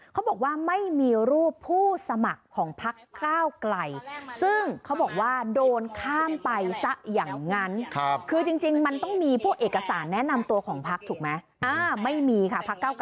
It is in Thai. เขาบอกว่าไม่มีรูปผู้สมัครของพักก้าวไกล